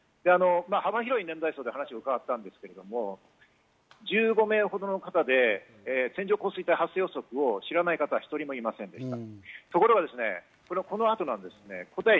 幅広い年代層に話を伺ったんですが、１５名ほどの方で線状降水帯発生予測を知らない方は１人もいませんでした。